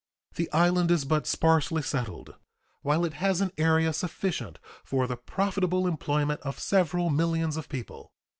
The island is but sparsely settled, while it has an area sufficient for the profitable employment of several millions of people.